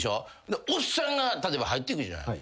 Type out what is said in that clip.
でおっさんが例えば入ってくるじゃない。